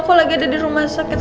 aku lagi ada di rumah sakit